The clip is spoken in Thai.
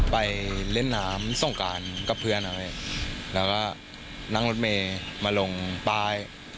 ไปเล่นน้ำสงการกับเพื่อนเอาไว้แล้วก็นั่งรถเมย์มาลงป้าย